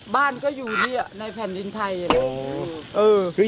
บ้านก็อยู่ที่ในแผ่นดินไทยนะ